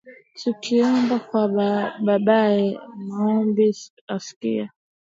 Tukiomba kwa babaye, Maombi asikia